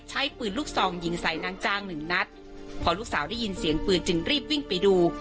ใช้ปืนลูกซองยิงใส่นางจ้างหนึ่งนัดพอลูกสาวได้ยินเสียงปืนจึงรีบวิ่งไปดู